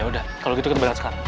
ya udah kalau gitu kita berat sekarang